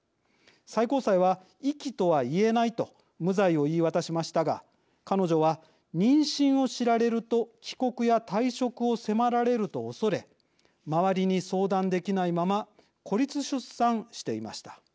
最高裁は遺棄とは言えないと無罪を言い渡しましたが彼女は妊娠を知られると帰国や退職を迫られると恐れ周りに相談できないまま孤立出産していました。